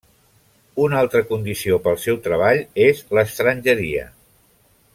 Una altra condició pel seu treball és l'estrangeria.